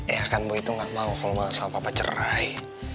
eh kan boy tuh gak mau kalo mau sama papa cerai